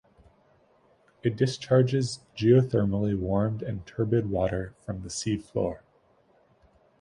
It discharges geothermally warmed and turbid water from the sea floor.